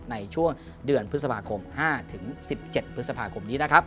ในช่วงเดือนพฤษภาคม๕๑๗พฤษภาคมนี้นะครับ